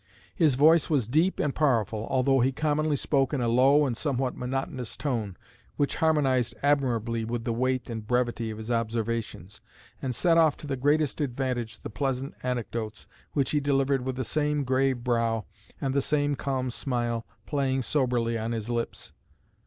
His voice was deep and powerful, although he commonly spoke in a low and somewhat monotonous tone, which harmonised admirably with the weight and brevity of his observations, and set off to the greatest advantage the pleasant anecdotes, which he delivered with the same grave brow, and the same calm smile playing soberly on his lips.